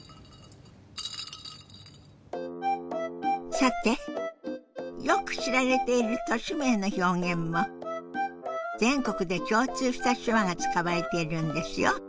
さてよく知られている都市名の表現も全国で共通した手話が使われているんですよ。